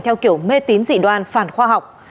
theo kiểu mê tín dị đoan phản khoa học